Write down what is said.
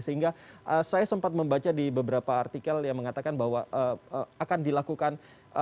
sehingga saya sempat membaca di beberapa artikel yang mengatakan bahwa akan dilakukan